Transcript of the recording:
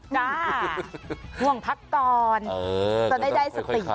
หน้าห่วงพักก่อนจะได้สติ